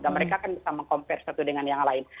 dan mereka kan bisa meng compare satu dengan yang lain